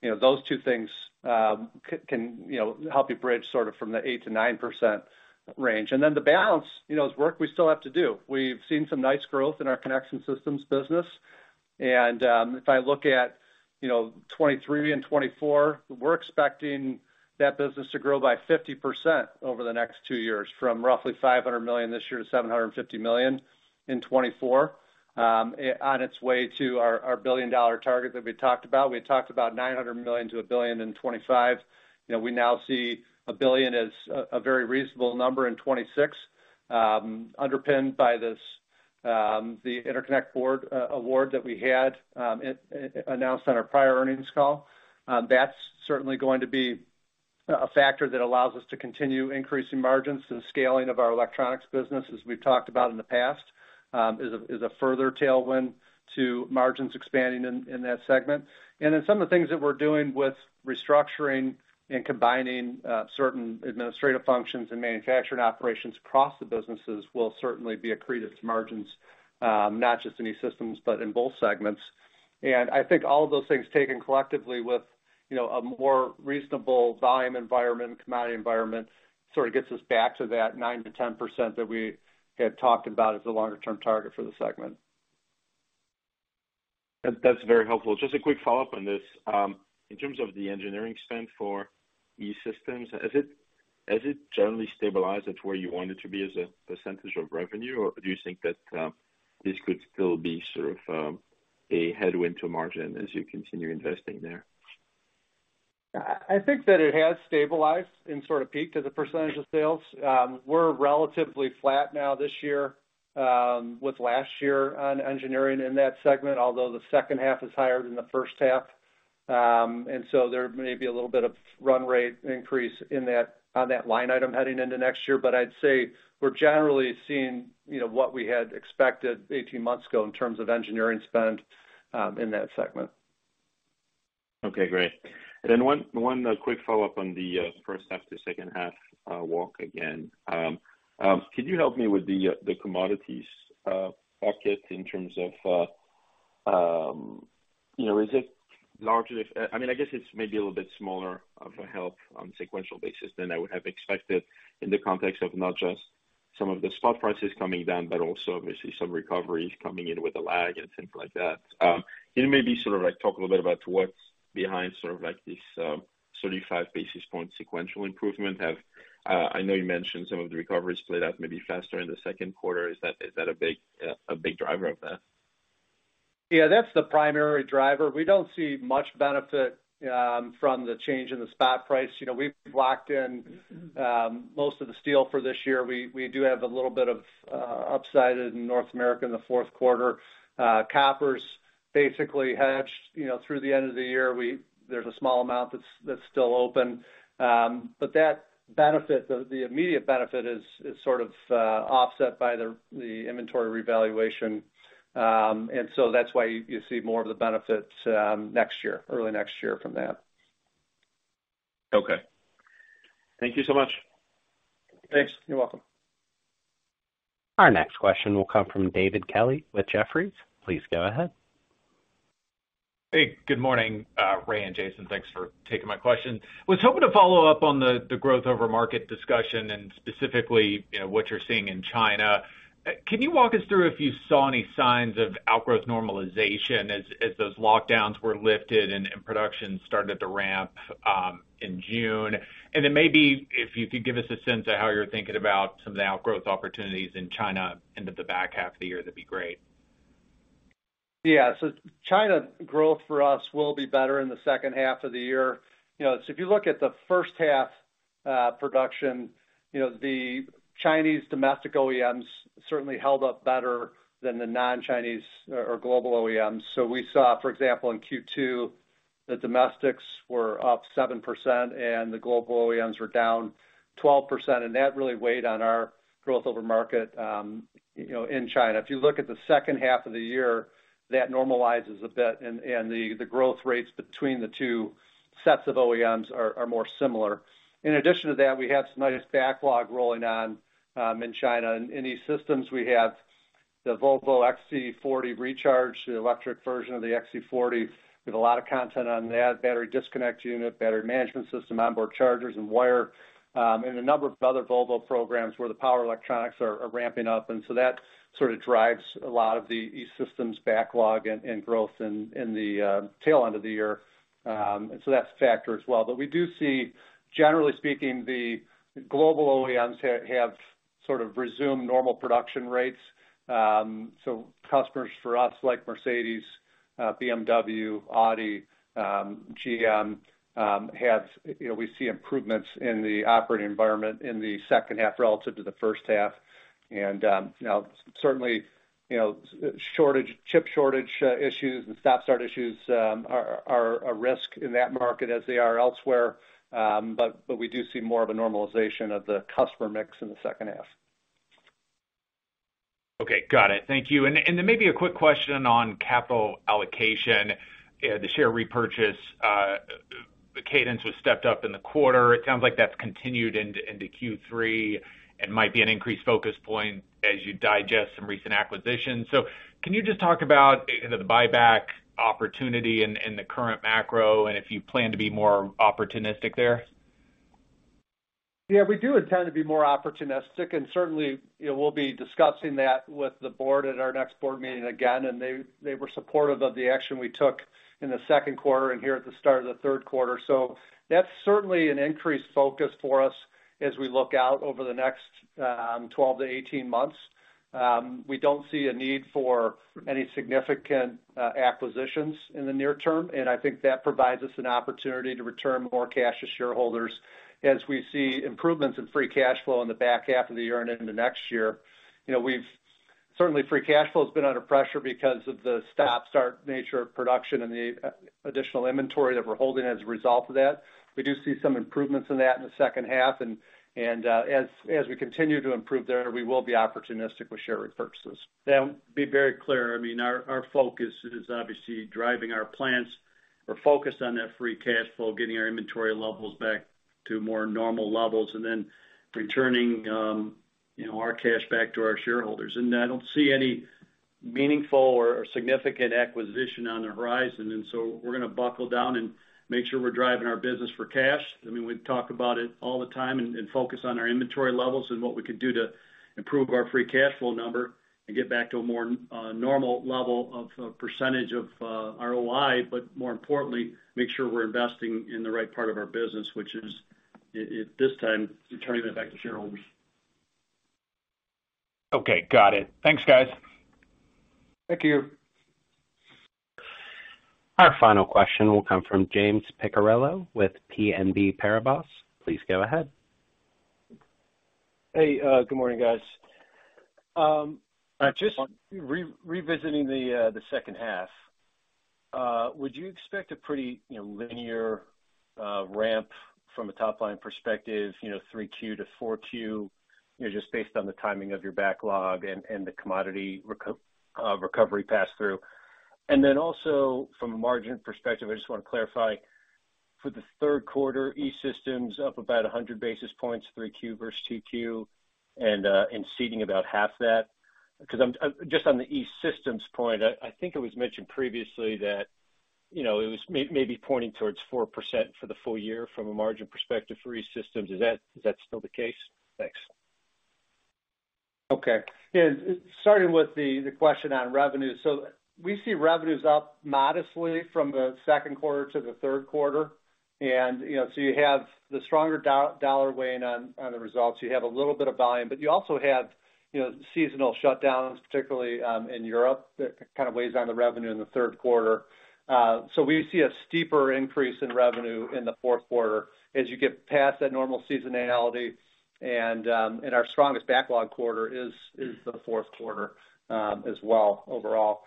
you know, those two things can, you know, help you bridge sort of from the 8%-9% range. The balance, you know, is work we still have to do. We've seen some nice growth in our Connection Systems business. If I look at, you know, 2023 and 2024, we're expecting that business to grow by 50% over the next two years from roughly $500 million this year to $750 million in 2024, on its way to our billion-dollar target that we talked about. We had talked about $900 million-$1 billion in 2025. You know, we now see $1 billion as a very reasonable number in 2026, underpinned by this, the Intercell Connect Board award that we had announced on our prior earnings call. That's certainly going to be a factor that allows us to continue increasing margins and scaling of our electronics business, as we've talked about in the past, is a further tailwind to margins expanding in that segment. Then some of the things that we're doing with restructuring and combining certain administrative functions and manufacturing operations across the businesses will certainly be accretive to margins, not just in E-Systems, but in both segments. I think all of those things taken collectively with, you know, a more reasonable volume environment, commodity environment, sort of gets us back to that 9%-10% that we had talked about as the longer term target for the segment. That's very helpful. Just a quick follow-up on this. In terms of the engineering spend for E-Systems, has it generally stabilized at where you want it to be as a percentage of revenue? Or do you think that this could still be sort of a headwind to margin as you continue investing there? I think that it has stabilized and sort of peaked as a percentage of sales. We're relatively flat now this year with last year on engineering in that segment, although the second half is higher than the first half. There may be a little bit of run rate increase in that on that line item heading into next year. I'd say we're generally seeing, you know, what we had expected 18 months ago in terms of engineering spend in that segment. Okay, great. One quick follow-up on the first half to second half walk again. Could you help me with the commodities bucket in terms of, you know, is it largely—I mean, I guess it's maybe a little bit smaller of a help on sequential basis than I would have expected in the context of not just some of the spot prices coming down, but also obviously some recoveries coming in with a lag and things like that. Can you maybe sort of like talk a little bit about what's behind sort of like this 35 basis points sequential improvement? I know you mentioned some of the recoveries played out maybe faster in the second quarter. Is that a big driver of that? Yeah, that's the primary driver. We don't see much benefit from the change in the spot price. You know, we've locked in most of the steel for this year. We do have a little bit of upside in North America in the fourth quarter. Copper's basically hedged, you know, through the end of the year. There's a small amount that's still open. That benefit, the immediate benefit is sort of offset by the inventory revaluation. That's why you see more of the benefits next year, early next year from that. Okay. Thank you so much. Thanks. You're welcome. Our next question will come from David Kelley with Jefferies. Please go ahead. Hey, good morning, Ray and Jason. Thanks for taking my question. Was hoping to follow up on the growth over market discussion and specifically, you know, what you're seeing in China. Can you walk us through if you saw any signs of outgrowth normalization as those lockdowns were lifted and production started to ramp in June? And then maybe if you could give us a sense of how you're thinking about some of the outgrowth opportunities in China into the back half of the year, that'd be great. Yeah. China growth for us will be better in the second half of the year. You know, if you look at the first half, production, you know, the Chinese domestic OEMs certainly held up better than the non-Chinese or global OEMs. We saw, for example, in Q2, the domestics were up 7% and the global OEMs were down 12%, and that really weighed on our growth over market, you know, in China. If you look at the second half of the year, that normalizes a bit and the growth rates between the two sets of OEMs are more similar. In addition to that, we have some nice backlog rolling on in China. In E-Systems, we have the Volvo XC40 Recharge, the electric version of the XC40. We have a lot of content on that battery disconnect unit, battery management system, onboard chargers and wire, and a number of other Volvo programs where the power electronics are ramping up. That sort of drives a lot of the E-Systems backlog and growth in the tail end of the year. That's a factor as well. We do see, generally speaking, the global OEMs have sort of resumed normal production rates. Customers for us, like Mercedes, BMW, Audi, GM, have, you know, we see improvements in the operating environment in the second half relative to the first half. You know, certainly, you know, shortage, chip shortage, issues and stop start issues are a risk in that market as they are elsewhere. We do see more of a normalization of the customer mix in the second half. Okay. Got it. Thank you. Then maybe a quick question on capital allocation. The share repurchase cadence was stepped up in the quarter. It sounds like that's continued into Q3 and might be an increased focus point as you digest some recent acquisitions. Can you just talk about, you know, the buyback opportunity in the current macro and if you plan to be more opportunistic there? Yeah, we do intend to be more opportunistic, and certainly, you know, we'll be discussing that with the board at our next board meeting again, and they were supportive of the action we took in the second quarter and here at the start of the third quarter. That's certainly an increased focus for us as we look out over the next 12-18 months. We don't see a need for any significant acquisitions in the near term, and I think that provides us an opportunity to return more cash to shareholders as we see improvements in free cash flow in the back half of the year and into next year. You know, certainly free cash flow has been under pressure because of the stop-start nature of production and the additional inventory that we're holding as a result of that. We do see some improvements in that in the second half and as we continue to improve there, we will be opportunistic with share repurchases. Yeah. To be very clear, I mean, our focus is obviously driving our plans. We're focused on that free cash flow, getting our inventory levels back to more normal levels and then returning, you know, our cash back to our shareholders. I don't see any meaningful or significant acquisition on the horizon. We're gonna buckle down and make sure we're driving our business for cash. I mean, we talk about it all the time and focus on our inventory levels and what we can do to improve our free cash flow number and get back to a more normal level of percentage of ROI, but more importantly, make sure we're investing in the right part of our business, which is at this time, returning it back to shareholders. Okay. Got it. Thanks, guys. Thank you. Our final question will come from James Picariello with BNP Paribas. Please go ahead. Hey, good morning, guys. Just revisiting the second half, would you expect a pretty linear ramp from a top line perspective, you know, 3Q to 4Q, you know, just based on the timing of your backlog and the commodity recovery pass through? And then also from a margin perspective, I just want to clarify for the third quarter, E-Systems up about 100 basis points, 3Q versus 2Q, and Seating about half that. 'Cause just on the E-Systems point, I think it was mentioned previously that, you know, it was maybe pointing towards 4% for the full year from a margin perspective for E-Systems. Is that still the case? Thanks. Okay. Yeah. Starting with the question on revenue. We see revenues up modestly from the second quarter to the third quarter. You know, you have the stronger dollar weighing on the results. You have a little bit of volume, but you also have, you know, seasonal shutdowns, particularly in Europe, that kind of weighs on the revenue in the third quarter. We see a steeper increase in revenue in the fourth quarter as you get past that normal seasonality. Our strongest backlog quarter is the fourth quarter as well overall.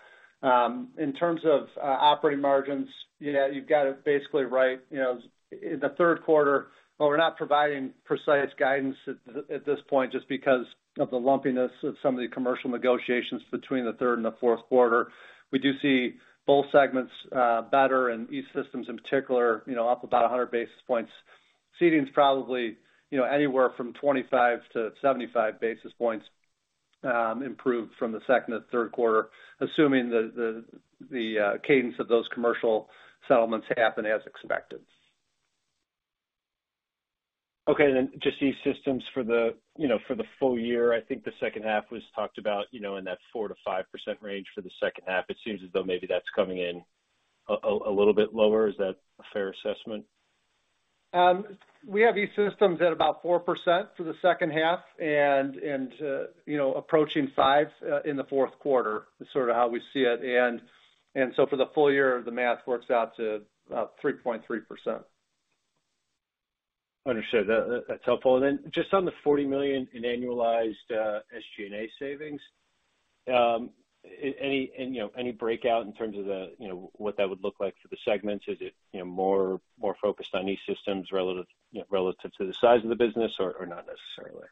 In terms of operating margins, yeah, you've got it basically right. You know, in the third quarter, while we're not providing precise guidance at this point, just because of the lumpiness of some of the commercial negotiations between the third and the fourth quarter, we do see both segments better, and E-Systems in particular, you know, up about 100 basis points. Seating's probably, you know, anywhere from 25-75 basis points improved from the second to third quarter, assuming the cadence of those commercial settlements happen as expected. Okay. Just E-Systems for the, you know, for the full year. I think the second half was talked about, you know, in that 4%-5% range for the second half. It seems as though maybe that's coming in a little bit lower. Is that a fair assessment? We have E-Systems at about 4% for the second half and you know approaching 5% in the fourth quarter is sort of how we see it. For the full year, the math works out to 3.3%. Understood. That's helpful. Just on the $40 million in annualized SG&A savings, you know, any breakout in terms of the, you know, what that would look like for the segments? Is it, you know, more focused on E-Systems relative to the size of the business or not necessarily?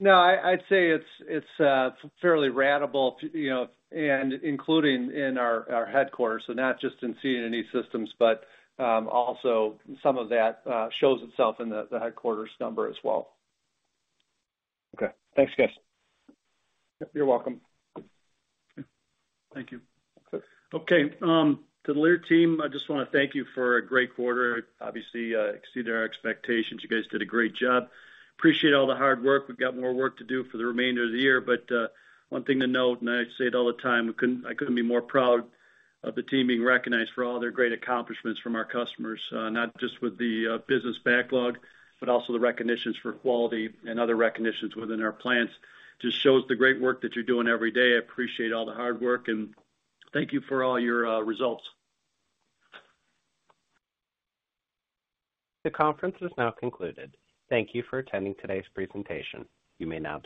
No, I'd say it's fairly ratable, you know, and including in our headquarters. Not just in Seating in E-Systems, but also some of that shows itself in the headquarters number as well. Okay. Thanks, guys. You're welcome. Thank you. Sure. Okay. To the Lear team, I just wanna thank you for a great quarter. Obviously, exceeded our expectations. You guys did a great job. Appreciate all the hard work. We've got more work to do for the remainder of the year, but one thing to note, and I say it all the time, I couldn't be more proud of the team being recognized for all their great accomplishments from our customers, not just with the business backlog, but also the recognitions for quality and other recognitions within our plants. Just shows the great work that you're doing every day. I appreciate all the hard work, and thank you for all your results. The conference is now concluded. Thank you for attending today's presentation. You may now disconnect.